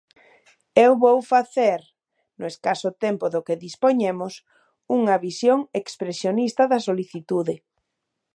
Eu vou facer, no escaso tempo do que dispoñemos, unha visión expresionista da solicitude.